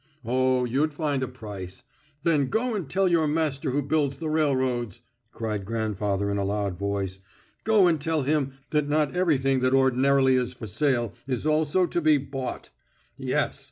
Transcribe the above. "Oh, you'd find a price. Then go and tell your master who builds the railroads," cried grandfather in a loud voice "Go and tell him that not everything that ordinarily is for sale is also to be bought. Yes!